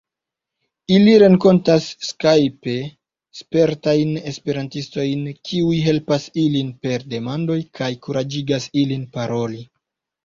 Ili renkontas skajpe spertajn esperantistojn, kiuj helpas ilin per demandoj, kaj kuraĝigas ilin paroli.